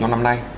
trong năm nay